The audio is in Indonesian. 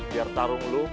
biar tarung lu